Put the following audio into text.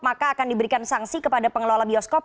maka akan diberikan sanksi kepada pengelola bioskop